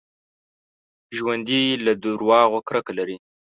ژوندي له دروغو کرکه لري